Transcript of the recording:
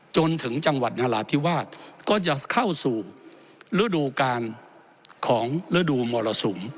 จนถึงจังหวัดนราธิวาสก็จะเข้าสู่ฤดูกาลของฤดูมรสุม